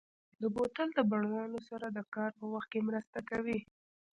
بوتل د بڼوالو سره د کار په وخت کې مرسته کوي.